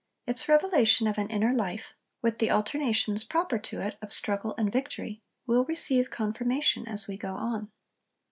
Its revelation of an inner life, with the alternations proper to it of struggle and victory, will receive confirmation as we go on.